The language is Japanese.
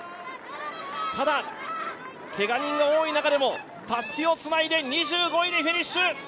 ただ、けが人が多い中でもたすきをつないで２５位でフィニッシュ。